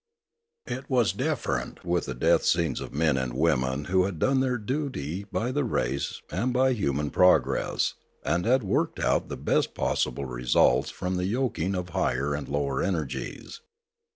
It was different with the death scenes of men and women who had done their duty by the race and by human progress, and had worked out the best possible results from the yoking of higher and lower energies.